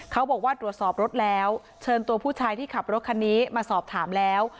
เขาบอกว่าตรวจสอบรถแล้วเชิญตัวผู้ชายที่ขับรถคันนี้มาสอบถามแล้ว